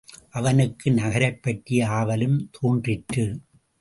அவனுக்கு நகரைப்பற்றிய ஆவலும் தோன்றிற்று.